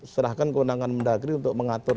serahkan kewenangan mendagri untuk mengatur